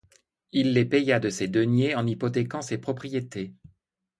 Il les paya de ses deniers en hypothéquant ses propriétés.